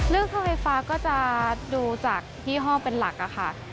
เรื่องโรงไฟฟ้าก็จะดูจากยี่ห้อเป็นหลักค่ะ